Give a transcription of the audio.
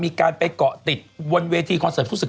มีการไปเกาะติดบนเวทีคอนเสิร์ตผู้ศึก